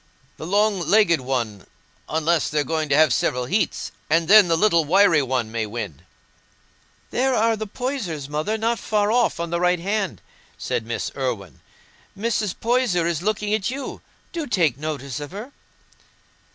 "The long legged one, unless they're going to have several heats, and then the little wiry one may win." "There are the Poysers, Mother, not far off on the right hand," said Miss Irwine. "Mrs. Poyser is looking at you. Do take notice of her."